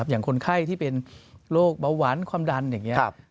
อย่างคนไข้ที่เป็นโรคเบาหวานความดันอย่างนี้